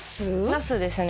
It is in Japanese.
ナスですね・